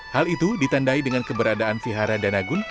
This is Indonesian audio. hal itu ditandai dengan keberadaan vihara dan agun